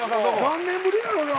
何年ぶりやろな。